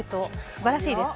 すばらしいです。